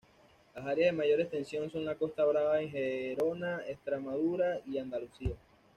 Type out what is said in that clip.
Las áreas de mayor extensión son la Costa Brava en Gerona, Extremadura y Andalucía.